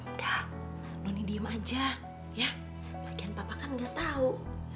enggak noni diem aja ya bagian papa kan ga tau